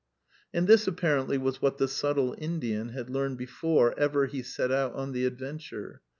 And this apparently was what the subtle Indian had learned before ever he set out on the adventure.